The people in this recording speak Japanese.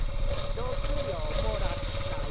６両もらったよ。